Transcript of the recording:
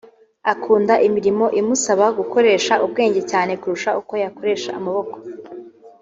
Akunda imirimo imusaba gukoresha ubwenge cyane kurusha uko yakoresha amaboko